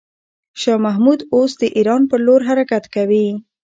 شاه محمود اوس د ایران پر لور حرکت کوي.